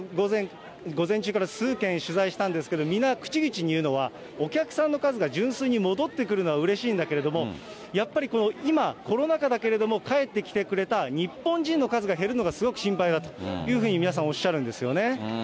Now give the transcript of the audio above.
午前中から数軒取材したんですけど、皆口々に言うのは、お客さんの数が純粋に戻ってくるのはうれしいんだけれども、やっぱりこの今、コロナ禍だけれども、帰ってきてくれた日本人の数が減るのがすごく心配だというふうに皆さん、おっしゃるんですよね。